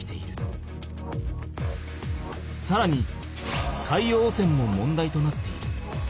さらに海洋汚染も問題となっている。